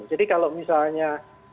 jadi kalau misalnya